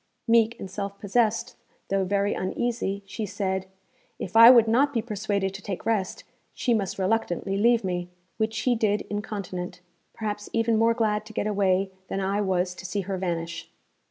Meek and self possessed, though very uneasy, she said, 'If I would not be persuaded to take rest, she must reluctantly leave me.' Which she did incontinent, perhaps even more glad to get away than I was to see her vanish.